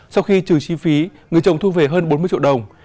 sau khi trừ chi phí người chồng thu về hơn bốn mươi triệu đồng